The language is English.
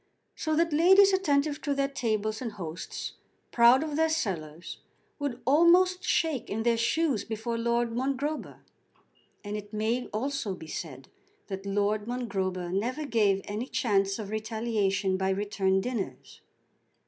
So that ladies attentive to their tables and hosts proud of their cellars would almost shake in their shoes before Lord Mongrober. And it may also be said that Lord Mongrober never gave any chance of retaliation by return dinners.